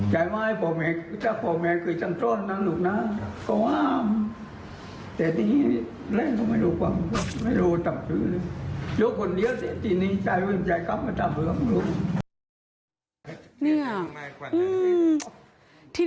เจ้าเล้ยไห้มันกินเล้ยเล้ยน้ำเจ้าเล้ยไห้